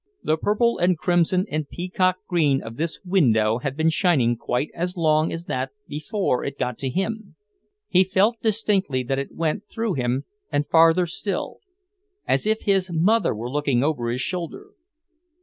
The purple and crimson and peacock green of this window had been shining quite as long as that before it got to him.... He felt distinctly that it went through him and farther still... as if his mother were looking over his shoulder.